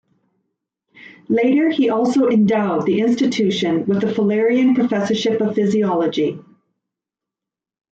Later he also endowed the institution with the Fullerian Professorship of Physiology.